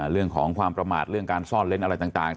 เรื่องของความประมาทเรื่องการซ่อนเล้นอะไรต่าง